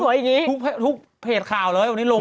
เป็นการกระตุ้นการไหลเวียนของเลือด